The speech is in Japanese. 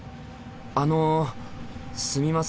あのすみません